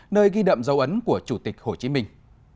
nơi ghi đậm dấu ấn của chủ tịch hồ chí minh